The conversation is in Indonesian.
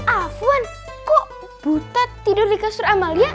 afwan kok butet tidur di kasur amalia